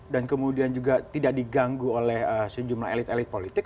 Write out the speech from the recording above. dan kemudian juga tidak diganggu oleh sejumlah elit elit politik